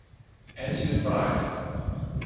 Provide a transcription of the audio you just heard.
As you advised.